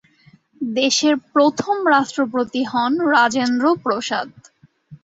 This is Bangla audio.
দেশের প্রথম রাষ্ট্রপতি হন রাজেন্দ্র প্রসাদ।